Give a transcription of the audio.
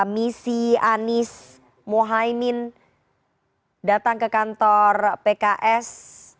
misi anies mohaimin datang ke kantor pks